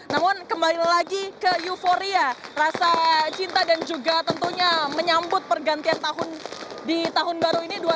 namun kembali lagi ke euforia rasa cinta dan juga tentunya menyambut pergantian tahun di tahun baru ini dua ribu dua puluh